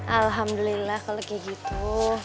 alhamdulillah kalo kayak gitu